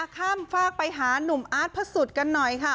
ข้ามฝากไปหานุ่มอาร์ตพระสุทธิ์กันหน่อยค่ะ